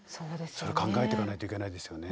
それ考えていかないといけないですよね。